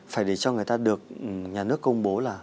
phải để cho người ta được nhà nước công bố là